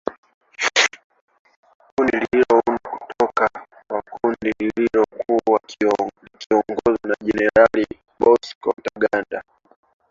Kundi liliundwa kutoka kwa kundi lililokuwa likiongozwa na Jenerali Bosco Ntaganda.